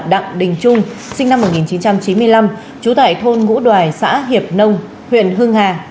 đặng đình trung sinh năm một nghìn chín trăm chín mươi năm trú tại thôn ngũ đoài xã hiệp nông huyện hưng hà